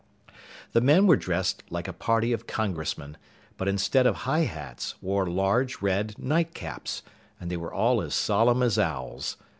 The men were dressed like a party of congressmen, but instead of high hats wore large red nightcaps, and they were all as solemn as owls.